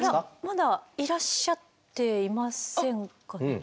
まだいらっしゃっていませんかね？